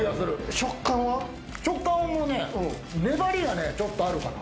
食感は粘りがちょっとあるかな。